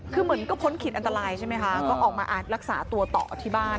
คือเหมือนก็พ้นขีดอันตรายใช่ไหมคะก็ออกมารักษาตัวต่อที่บ้าน